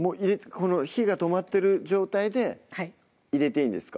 この火が止まってる状態で入れていいんですか？